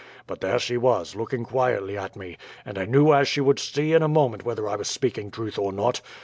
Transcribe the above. But there she was, looking quietly at me, and I knew as she would see in a moment whether I was speaking truth or not.